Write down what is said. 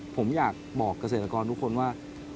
ผมอยากบอกเกษตรกรทุกคนว่า